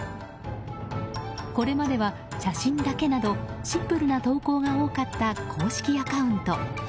これまでは、写真だけなどシンプルな投稿が多かった公式アカウント。